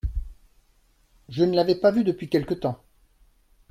Je ne l'avais pas vu depuis quelque temps.